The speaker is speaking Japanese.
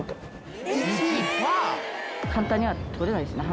簡単には撮れないですね